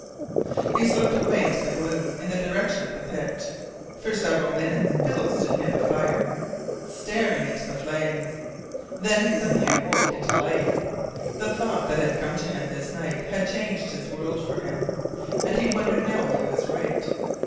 He slipped away into the gloom in the direction of the pit. For several minutes Philip stood near the fire staring into the flames. Then he suddenly awoke into life. The thought that had come to him this night had changed his world for him. And he wondered now if he was right.